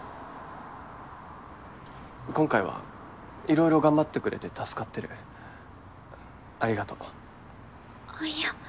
今回は色々頑張ってくれて助かってるありがとうあっいや